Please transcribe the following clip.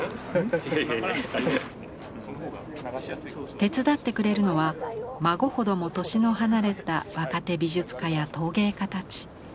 手伝ってくれるのは孫ほども年の離れた若手美術家や陶芸家たち。